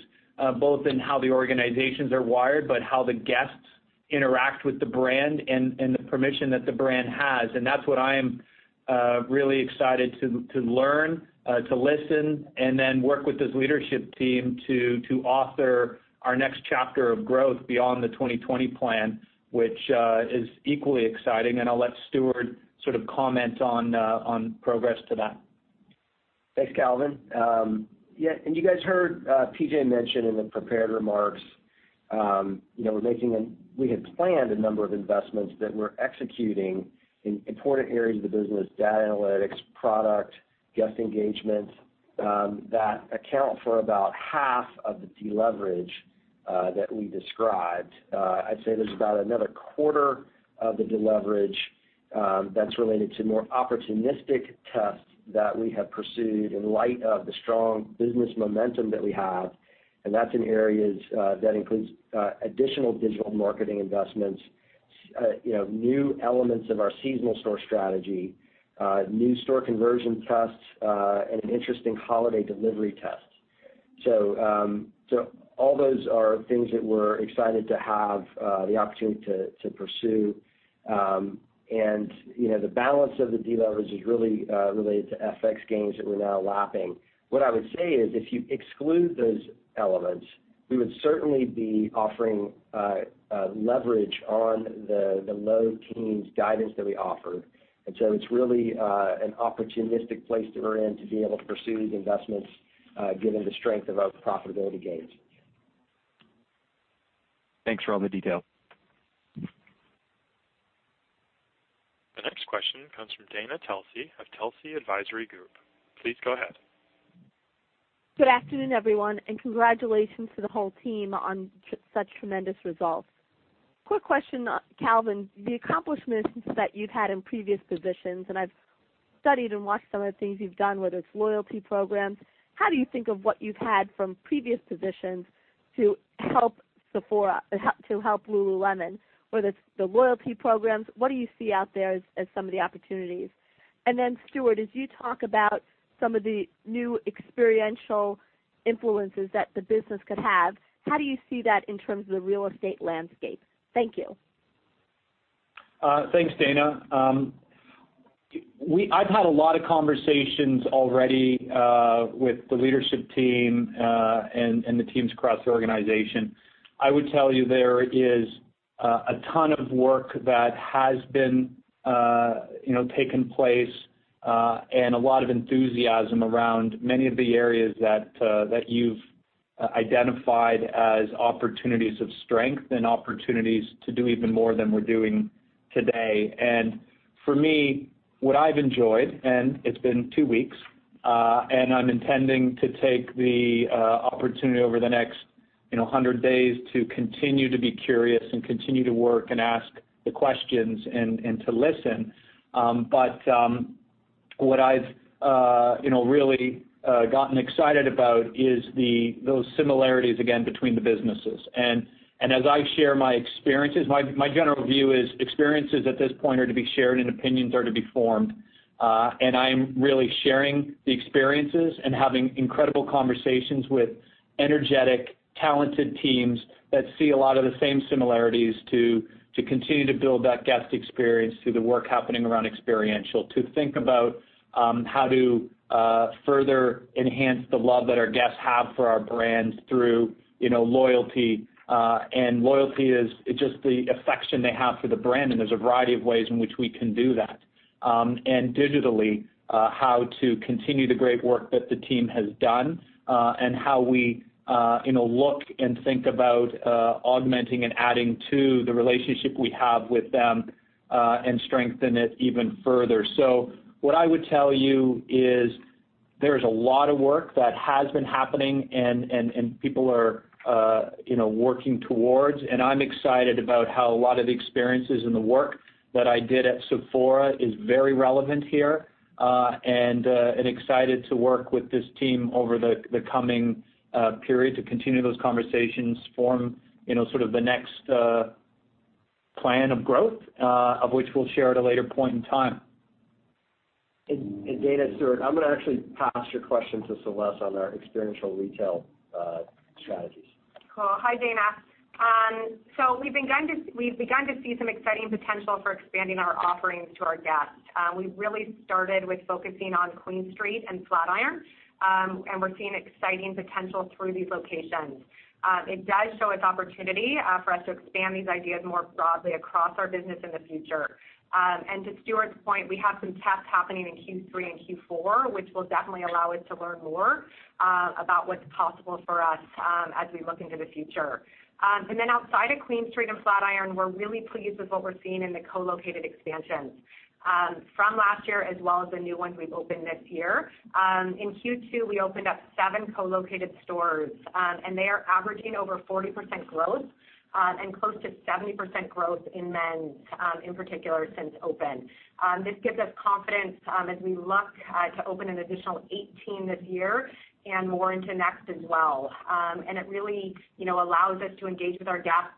both in how the organizations are wired, but how the guests interact with the brand and the permission that the brand has. That's what I am, really excited to learn, to listen, and then work with this leadership team to author our next chapter of growth beyond the 2020 plan, which is equally exciting. I'll let Stuart sort of comment on progress to that. Thanks, Calvin. You guys heard PJ mention in the prepared remarks, you know, we had planned a number of investments that we're executing in important areas of the business, data analytics, product, guest engagement, that account for about half of the deleverage that we described. I'd say there's about another quarter of the deleverage that's related to more opportunistic tests that we have pursued in light of the strong business momentum that we have. That's in areas that includes additional digital marketing investments, you know, new elements of our seasonal store strategy, new store conversion tests, and an interesting holiday delivery test. All those are things that we're excited to have the opportunity to pursue. You know, the balance of the deleverage is really related to FX gains that we're now lapping. What I would say is if you exclude those elements, we would certainly be offering leverage on the low teens guidance that we offered. It's really an opportunistic place that we're in to be able to pursue these investments given the strength of our profitability gains. Thanks for all the detail. The next question comes from Dana Telsey of Telsey Advisory Group. Please go ahead. Good afternoon, everyone, and congratulations to the whole team on such tremendous results. Quick question, Calvin, the accomplishments that you've had in previous positions, and I've studied and watched some of the things you've done, whether it's loyalty programs. How do you think of what you've had from previous positions to help Sephora, to help Lululemon, whether it's the loyalty programs, what do you see out there as some of the opportunities? And then Stuart, as you talk about some of the new experiential influences that the business could have, how do you see that in terms of the real estate landscape? Thank you. Thanks, Dana. I've had a lot of conversations already with the leadership team and the teams across the organization. I would tell you there is a ton of work that has been, you know, taken place and a lot of enthusiasm around many of the areas that you've identified as opportunities of strength and opportunities to do even more than we're doing today. For me, what I've enjoyed, and it's been two weeks, and I'm intending to take the opportunity over the next, you know, 100 days to continue to be curious and continue to work and ask the questions and to listen. What I've, you know, really gotten excited about is the those similarities again between the businesses. As I share my experiences, my general view is experiences at this point are to be shared and opinions are to be formed. I'm really sharing the experiences and having incredible conversations with energetic, talented teams that see a lot of the same similarities to continue to build that guest experience through the work happening around experiential, to think about how to further enhance the love that our guests have for our brands through, you know, loyalty. Loyalty is just the affection they have for the brand, and there's a variety of ways in which we can do that. Digitally, how to continue the great work that the team has done, and how we, you know, look and think about augmenting and adding to the relationship we have with them, and strengthen it even further. What I would tell you is there is a lot of work that has been happening and people are, you know, working towards, and I'm excited about how a lot of the experiences and the work that I did at Sephora is very relevant here. Excited to work with this team over the coming period to continue those conversations, form, you know, sort of the next plan of growth, of which we'll share at a later point in time. Dana, Stuart, I'm gonna actually pass your question to Celeste on our experiential retail strategies. Cool. Hi, Dana. We've begun to see some exciting potential for expanding our offerings to our guests. We really started with focusing on Queen Street and Flatiron, and we're seeing exciting potential through these locations. It does show its opportunity for us to expand these ideas more broadly across our business in the future. To Stuart's point, we have some tests happening in Q3 and Q4, which will definitely allow us to learn more about what's possible for us as we look into the future. Outside of Queen Street and Flatiron, we're really pleased with what we're seeing in the co-located expansions from last year as well as the new ones we've opened this year. In Q2, we opened up seven co-located stores, and they are averaging over 40% growth, and close to 70% growth in men's, in particular since open. This gives us confidence, as we look to open an additional 18 this year and more into next as well. It really, you know, allows us to engage with our guests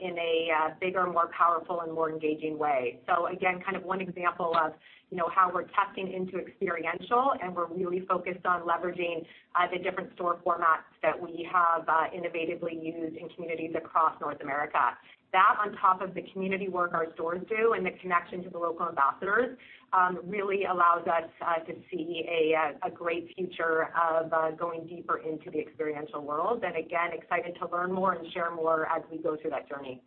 in a bigger, more powerful and more engaging way. Again, kind of one example of, you know, how we're testing into experiential, and we're really focused on leveraging the different store formats that we have innovatively used in communities across North America. That, on top of the community work our stores do and the connection to the local ambassadors, really allows us to see a great future of going deeper into the experiential world. Again, excited to learn more and share more as we go through that journey.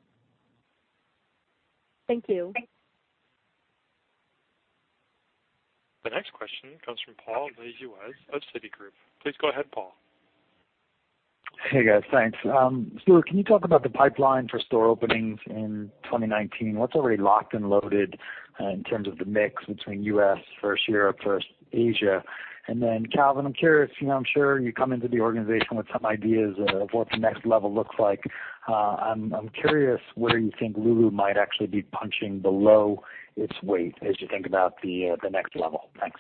Thank you. Thanks. The next question comes from Paul Lejuez of Citigroup. Please go ahead, Paul. Hey, guys. Thanks. Stuart, can you talk about the pipeline for store openings in 2019? What's already locked and loaded in terms of the mix between U.S., versus Europe versus Asia? Calvin, I'm curious, you know, I'm sure you come into the organization with some ideas of what the next level looks like. I'm curious where you think Lululemon might actually be punching below its weight as you think about the next level. Thanks.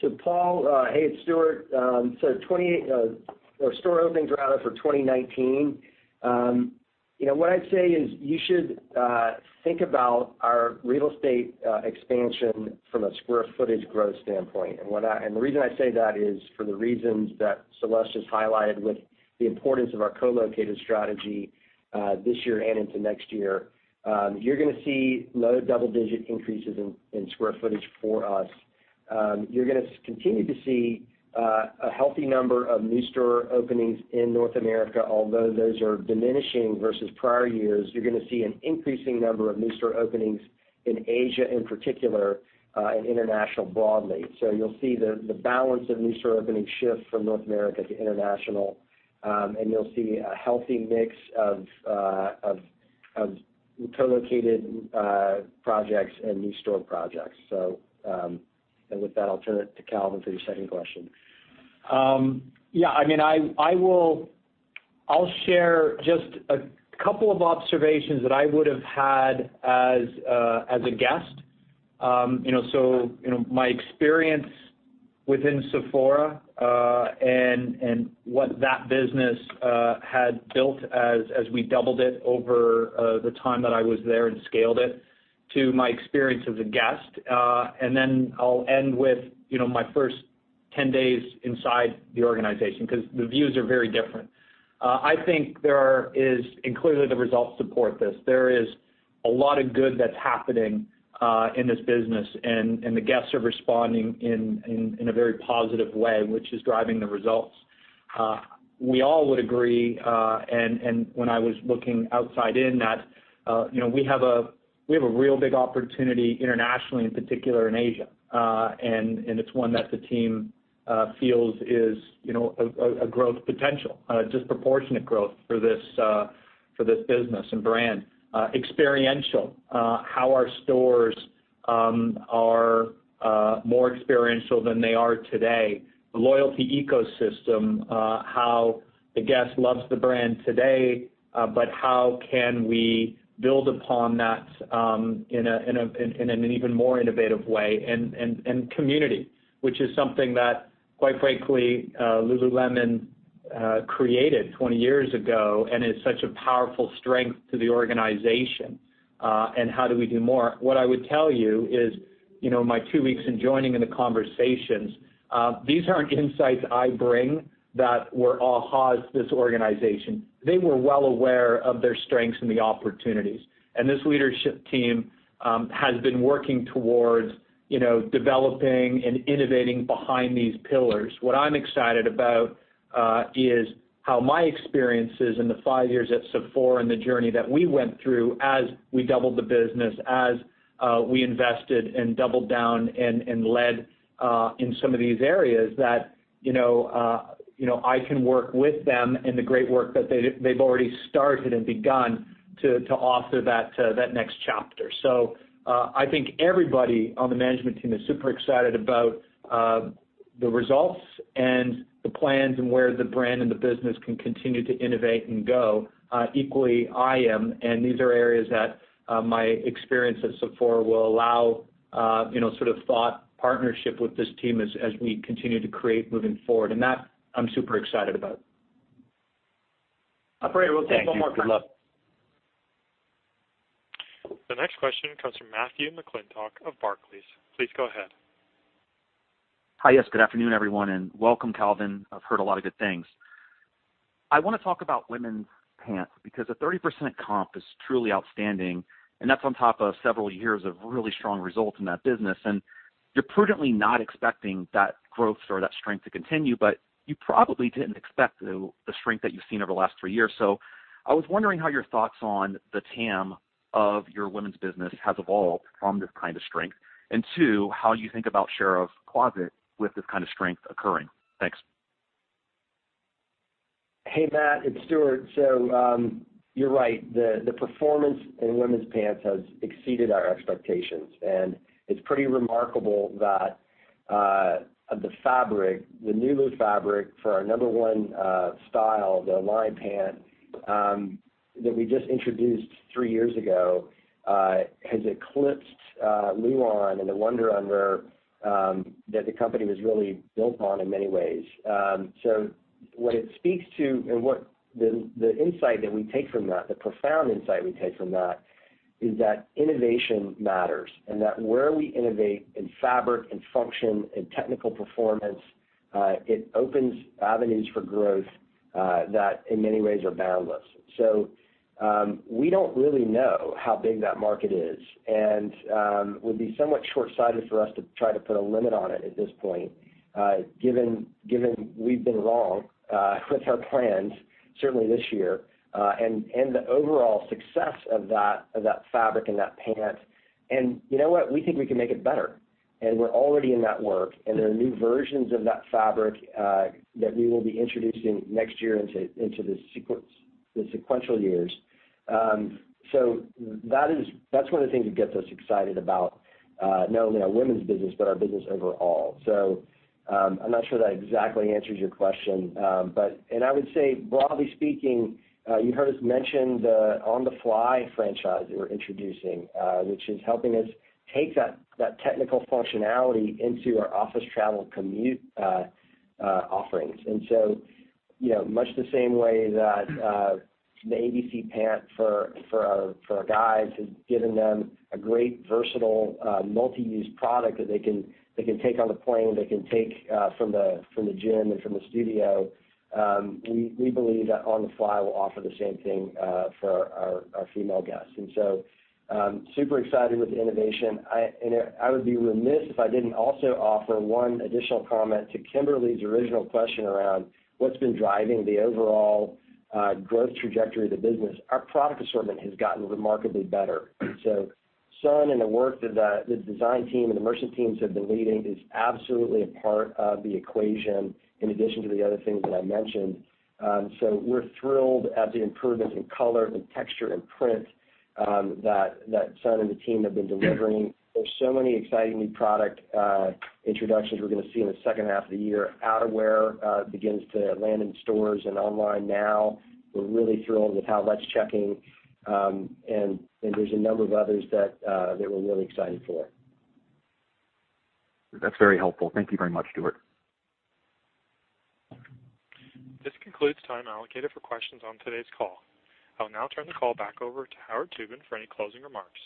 To Paul, hey, it's Stuart. Twenty, or store openings rather for 2019, you know, what I'd say is you should think about our real estate expansion from a square footage growth standpoint. The reason I say that is for the reasons that Celeste just highlighted with the importance of our co-located strategy this year and into next year. You're gonna see low double-digit increases in square footage for us. You're gonna continue to see a healthy number of new store openings in North America, although those are diminishing versus prior years. You're gonna see an increasing number of new store openings in Asia in particular and international broadly. You'll see the balance of new store openings shift from North America to international, and you'll see a healthy mix of co-located projects and new store projects. With that, I'll turn it to Calvin for your second question. I mean, I will share just a couple of observations that I would've had as a guest. You know, my experience within Sephora, and what that business had built as we doubled it over the time that I was there and scaled it to my experience as a guest. Then I'll end with, you know, my first 10 days inside the organization 'cause the views are very different. I think there is, and clearly the results support this, there is a lot of good that's happening in this business and the guests are responding in a very positive way, which is driving the results. We all would agree, when I was looking outside in that, you know, we have a real big opportunity internationally, in particular in Asia. It's one that the team feels is, you know, a growth potential, disproportionate growth for this business and brand. Experiential, how our stores are more experiential than they are today. The loyalty ecosystem, how the guest loves the brand today, but how can we build upon that in an even more innovative way. Community, which is something that quite frankly, Lululemon created 20 years ago and is such a powerful strength to the organization. How do we do more? What I would tell you is, you know, my two weeks in joining in the conversations, these aren't insights I bring that were aha's this organization. They were well aware of their strengths and the opportunities. This leadership team has been working towards, you know, developing and innovating behind these pillars. What I'm excited about is how my experiences in the five years at Sephora and the journey that we went through as we doubled the business, as we invested and doubled down and led in some of these areas that, you know, I can work with them and the great work that they've already started and begun to author that next chapter. I think everybody on the management team is super excited about the results and the plans and where the brand and the business can continue to innovate and go. Equally, I am, and these are areas that my experience at Sephora will allow, you know, sort of thought partnership with this team as we continue to create moving forward. That I'm super excited about. Operator, we'll take one more question. Thank you. Good luck. The next question comes from Matthew McClintock of Barclays. Please go ahead. Hi. Yes, good afternoon, everyone, and welcome Calvin. I've heard a lot of good things. I wanna talk about women's pants because a 30% comp is truly outstanding, and that's on top of several years of really strong results in that business. You're prudently not expecting that growth or that strength to continue, but you probably didn't expect the strength that you've seen over the last 3 years. I was wondering how your thoughts on the TAM of your women's business has evolved from this kind of strength. Two, how you think about share of closet with this kind of strength occurring? Thanks. Hey, Matt, it's Stuart. You're right. The performance in women's pants has exceeded our expectations, and it's pretty remarkable that the fabric, the Nulu fabric for our number one style, the Align Pant, that we just introduced three years ago, has eclipsed Luon and the Wunder Under that the company was really built on in many ways. What it speaks to and what the insight that we take from that, the profound insight we take from that is that innovation matters, and that where we innovate in fabric and function and technical performance, it opens avenues for growth that in many ways are boundless. We don't really know how big that market is, would be somewhat shortsighted for us to try to put a limit on it at this point, given we've been wrong with our plans certainly this year. And the overall success of that fabric and that pant. You know what? We think we can make it better, and we're already in that work, and there are new versions of that fabric that we will be introducing next year into the sequential years. That's one of the things that gets us excited about not only our women's business but our business overall. I'm not sure that exactly answers your question. I would say broadly speaking, you heard us mention the On The Fly franchise that we're introducing, which is helping us take that technical functionality into our office travel commute offerings. You know, much the same way that the ABC Pant for our guys has given them a great versatile, multi-use product that they can take on the plane, they can take from the gym and from the studio, we believe that On The Fly will offer the same thing for our female guests. Super excited with the innovation. I would be remiss if I didn't also offer one additional comment to Kimberly's original question around what's been driving the overall growth trajectory of the business. Our product assortment has gotten remarkably better. Sun and the work that the design team and the merchant teams have been leading is absolutely a part of the equation in addition to the other things that I mentioned. We're thrilled at the improvements in color and texture and print that Sun and the team have been delivering. There's so many exciting new product introductions we're gonna see in the second half of the year. Outerwear begins to land in stores and online now. We're really thrilled with how that's checking. There's a number of others that we're really excited for. That's very helpful. Thank you very much, Stuart. This concludes time allocated for questions on today's call. I'll now turn the call back over to Howard Tubin for any closing remarks.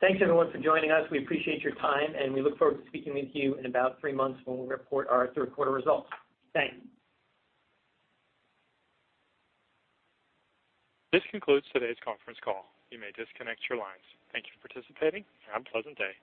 Thanks everyone for joining us. We appreciate your time. We look forward to speaking with you in about three months when we report our third quarter results. Thanks. This concludes today's conference call. You may disconnect your lines. Thank you for participating, and have a pleasant day.